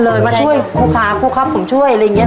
เหมือนว่าช่วยครูฟ้าครูครับผมช่วยอะไรอย่างนี้เนอะ